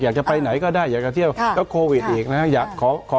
อยากจะไปไหนก็ได้อยากจะเที่ยวก็โควิดอีกนะครับ